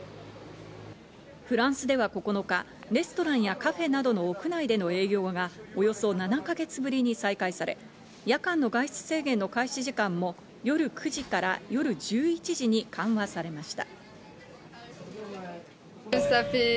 フランスでは９日、レストランやカフェなどの屋内での営業がおよそ７か月ぶりに再開され、夜間の外出制限の開始時間も夜９時から夜１１時に緩和されました。